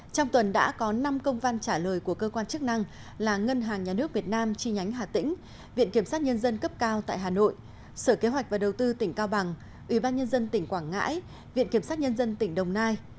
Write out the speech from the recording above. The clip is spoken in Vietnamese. trong tuần đã có năm công văn trả lời của cơ quan chức năng là ngân hàng nhà nước việt nam chi nhánh hà tĩnh viện kiểm sát nhân dân cấp cao tại hà nội sở kế hoạch và đầu tư tỉnh cao bằng ủy ban nhân dân tỉnh quảng ngãi viện kiểm sát nhân dân tỉnh đồng nai